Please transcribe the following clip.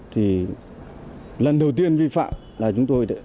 thì lần đầu tiên vi phạm là chúng tôi